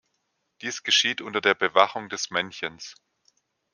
Dies geschieht unter der Bewachung des Männchens.